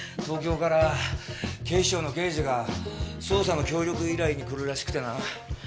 東京から警視庁の刑事が捜査の協力依頼に来るらしくてな。